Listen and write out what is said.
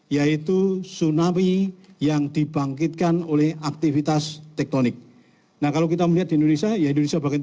yaitu tsunami yang dibangkitkan oleh bumkg